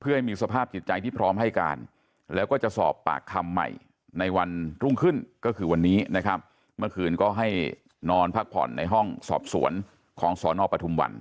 เพื่อให้มีสภาพจิตใจที่พร้อมให้การแล้วก็จะสอบปากคำใหม่ในวันรุ่งขึ้นก็คือวันนี้นะครับเมื่อคืนก็ให้นอนพักผ่อนในห้องสอบสวนของสนปทุมวัน